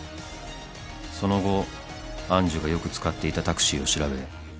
［その後愛珠がよく使っていたタクシーを調べ